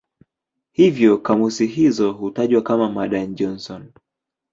Hivyo kamusi hizo hutajwa kama "Madan-Johnson".